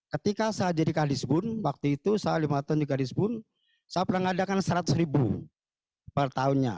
ketika saya jadikan di sbun waktu saya lima tahun juga di sbun saya perengadakan rp seratus per tahunnya